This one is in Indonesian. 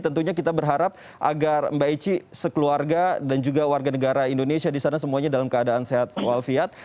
tentunya kita berharap agar mbak eci sekeluarga dan juga warga negara indonesia di sana semuanya dalam keadaan sehat walfiat